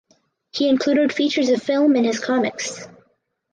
He included features of film in his comics.